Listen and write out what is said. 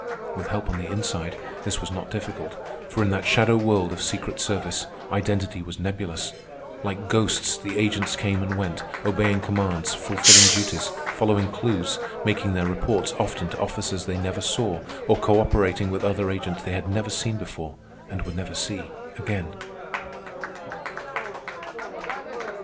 With help on the inside, this was not difficult, for in that shadow world of secret service identity was nebulous. Like ghosts the agents came and went, obeying commands, fulfilling duties, following clews, making their reports often to officers they never saw or cooperating with other agents they had never seen before and would never see again.